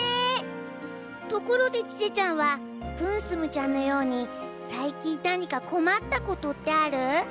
ところでちせちゃんはプンスムちゃんのようにさい近何かこまったことってある？